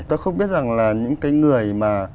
tôi không biết rằng là những cái người mà